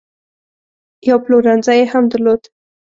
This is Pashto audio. یو پلورنځی یې هم درلود.